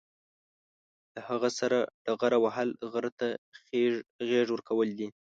له هغه سره ډغره وهل، غره ته غېږ ورکول دي.